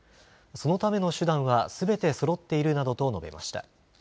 そのための手段はすべてそろっているなどと述べました。